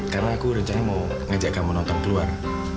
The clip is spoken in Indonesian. karena aku rencananya mau ngajak kamu nonton keluar